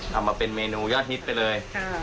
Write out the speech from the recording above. ทำมาเป็นเมนูยอดฮิตไปเลย